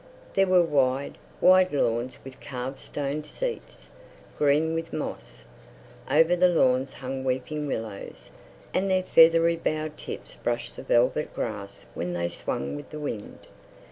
There were wide, wide lawns with carved stone seats, green with moss. Over the lawns hung weeping willows, and their feathery bough tips brushed the velvet grass when they swung with the wind.